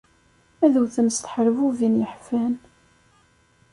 Ad wten s tḥerbunin yeḥfan.